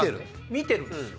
見てるんですよ。